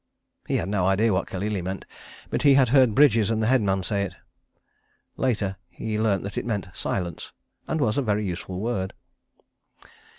He had no idea what "Kalele!" meant, but had heard Bridges and the headman say it. Later he learnt that it meant "Silence!" and was a very useful word.